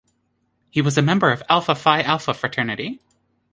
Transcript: He was a member of Alpha Phi Alpha fraternity.